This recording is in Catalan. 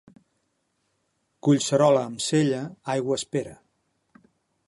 Collserola amb cella, aigua espera.